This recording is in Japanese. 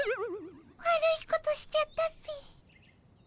悪いことしちゃったっピ。